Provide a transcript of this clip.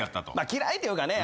嫌いっていうかね